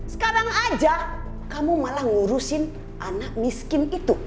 sekarang aja kamu malah ngurusin anak miskin itu